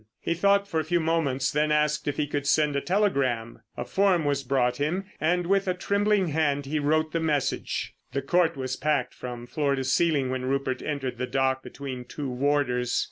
He thought for a few moments, then asked if he could send a telegram. A form was brought him, and with a trembling hand he wrote the message. The Court was packed from floor to ceiling when Rupert entered the dock between two warders.